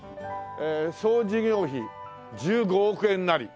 総事業費１５億円也。